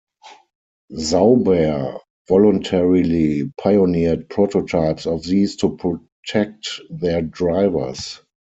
Sauber voluntarily pioneered prototypes of these to protect their drivers.